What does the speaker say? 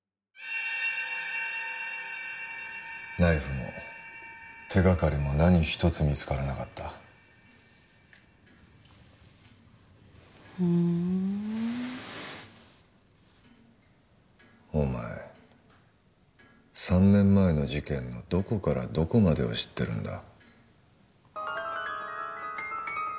ナイフも手がかりも何一つ見つからなかったふんお前３年前の事件のどこからどこまでを知ってるんだ？